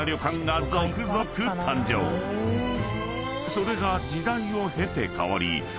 ［それが］